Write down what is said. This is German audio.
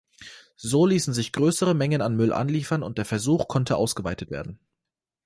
So ließen sich größere Mengen an Müll anliefern und der Versuch konnte ausgeweitet werden.